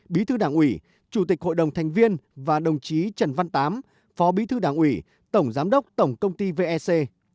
bí thư đảng ủy chủ tịch hội đồng thành viên và đồng chí trần văn tám phó bí thư đảng ủy tổng giám đốc tổng công ty vec